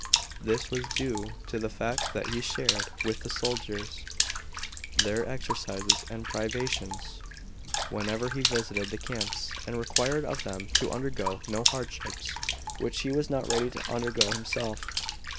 This was due to the fact that he shared with the soldiers their exercises and privations, whenever he visited the camps, and required of them to undergo no hardships which he was not ready to undergo himself.